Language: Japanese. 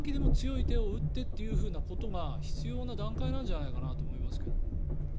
短期でも強い手を打ってということが必要な段階なんじゃないかなと思いますけど。